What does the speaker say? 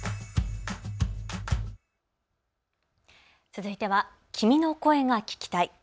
続いては君の声が聴きたい。